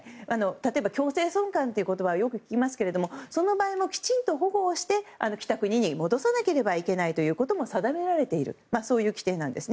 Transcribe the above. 例えば強制送還という言葉をよく聞きますがその場合もきちんと保護をして来た国に戻さなければいけないということも定められているという規定なんです。